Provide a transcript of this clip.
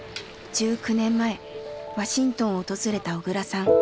１９年前ワシントンを訪れた小倉さん。